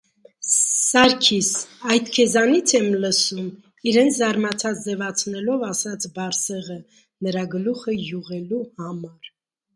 - Սարգի՛ս, այդ քեզանի՞ց եմ լսում,- իրեն զարմացած ձևացնելով ասաց Բարսեղը՝ նրա գլուխը յուղելու համար: